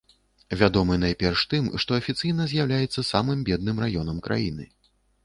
Вядомы найперш тым, што афіцыйна з'яўляецца самым бедным раёнам краіны.